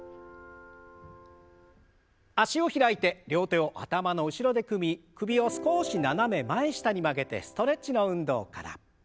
脚を開いて両手を頭の後ろで組み首を少し斜め前下に曲げてストレッチの運動から。